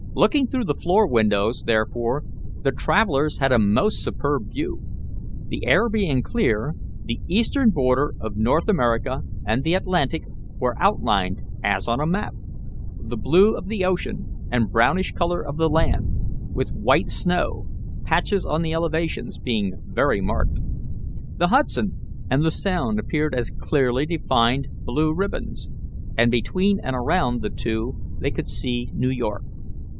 Looking through the floor windows, therefore, the travellers had a most superb view. The air being clear, the eastern border of North America and the Atlantic were outlined as on a map, the blue of the ocean and brownish colour of the land, with white snow patches on the elevations, being very marked. The Hudson and the Sound appeared as clearly defined blue ribbons, and between and around the two they could see New York.